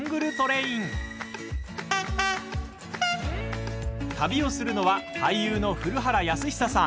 汽笛音旅をするのは俳優の古原靖久さん。